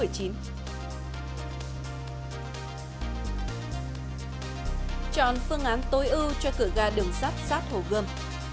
chọn phương án tối ưu cho cửa gà đường sắt sát hồ gơm